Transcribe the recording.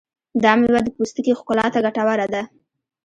دا مېوه د پوستکي ښکلا ته ګټوره ده.